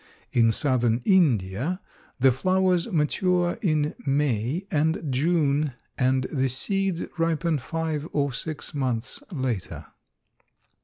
In southern India the flowers mature in May and June and the seeds ripen five or six months later.